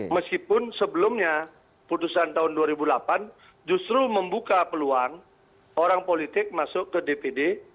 meskipun sebelumnya putusan tahun dua ribu delapan justru membuka peluang orang politik masuk ke dpd